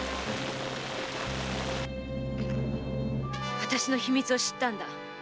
あたしの秘密を知ったんだ。